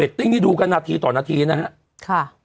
เร็กติ้งนี้ดูกันนาทีต่อนาทีนะฮะ